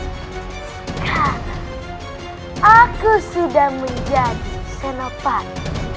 sekarang aku sudah menjadi senopat